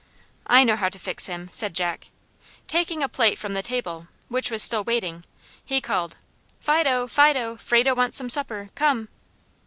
"I know how to fix him," said Jack. Taking a plate from the table, which was still waiting, he called, "Fido! Fido! Frado wants some supper. Come!"